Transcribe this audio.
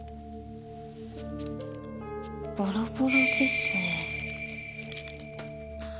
ボロボロですね。